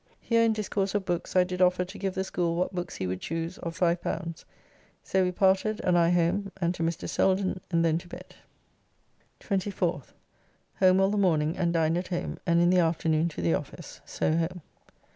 Here in discourse of books I did offer to give the school what books he would choose of L5. So we parted, and I home, and to Mr. Selden, and then to bed. 24th. Home all the morning and dined at home, and in the afternoon to the office. So home.